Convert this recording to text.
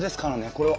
これは。